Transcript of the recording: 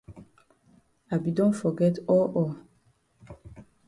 I be don forget all all.